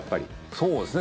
そうですね。